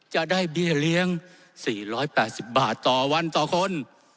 จะได้เบี้ยเลี้ยง๔๘๐บาทต่อวันต่อคน